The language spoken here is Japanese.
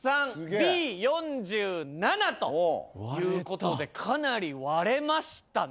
Ｂ４７ということでかなり割れましたね